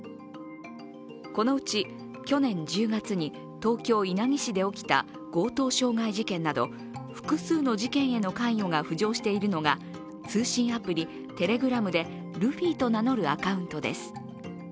このうち去年１０月に東京・稲城市で起きた強盗傷害事件など複数の事件への関与が浮上しているのが通信アプリ・Ｔｅｌｅｇｒａｍでルフィというアカウントです。